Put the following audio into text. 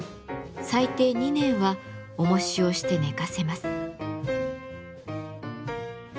最低２年はおもしをして寝かせます。